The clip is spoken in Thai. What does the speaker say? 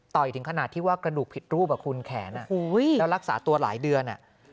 ถึงขนาดที่ว่ากระดูกผิดรูปคุณแขนแล้วรักษาตัวหลายเดือน